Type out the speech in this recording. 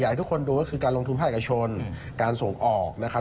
ให้ทุกคนดูก็คือการลงทุนภาคเอกชนการส่งออกนะครับ